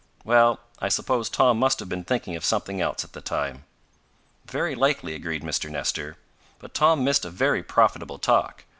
"Well, I suppose Tom must have been thinking of something else at the time." "Very likely," agreed Mr. Nestor. "But Tom missed a very profitable talk.